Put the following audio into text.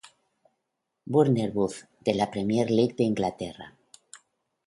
Bournemouth de la Premier League de Inglaterra.